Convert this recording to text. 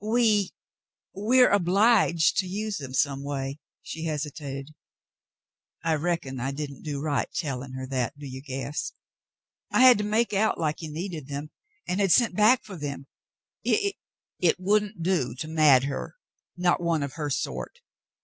We — we're obliged to use them some way." She hesitated — "I reckon I didn't do right telling her that — do you guess "^ I had to make out like you needed them and had sent back for them ; it — it wouldn't do to mad her — not one of her sort."